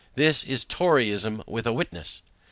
This is toryism with a witness!